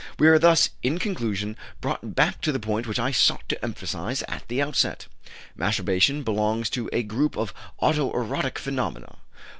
We are thus, in conclusion, brought back to the point which I sought to emphasize at the outset: masturbation belongs to a group of auto erotic phenomena.